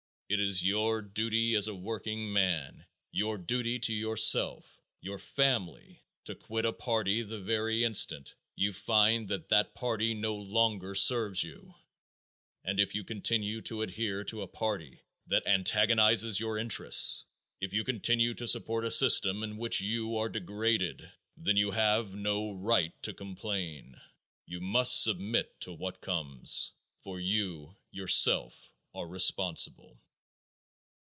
It is your duty as a workingman, your duty to yourself, your family, to quit a party the very instant you find that that party no longer serves you; and if you continue to adhere to a party that antagonizes your interests, if you continue to support a system in which you are degraded, then you have no right to complain. You must submit to what comes, for you yourself are responsible.